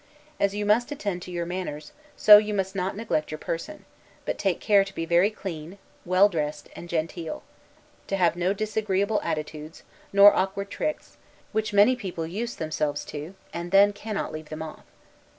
As you must attend to your manners, so you must not neglect your person; but take care to be very clean, well dressed, and genteel; to have no disagreeable attitudes, nor awkward tricks; which many people use themselves to, and then cannot leave them off.